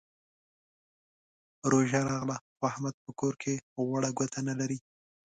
روژه راغله؛ خو احمد په کور کې غوړه ګوته نه لري.